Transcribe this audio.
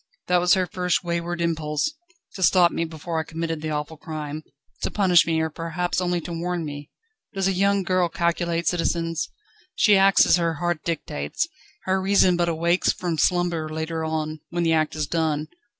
That was her first wayward impulse to stop me before I committed the awful crime, to punish me, or perhaps only to warn me. Does a young girl calculate, citizens? She acts as her heart dictates; her reason but awakes from slumber later on, when the act is done.